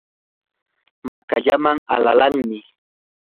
makallamay alalaamanmi.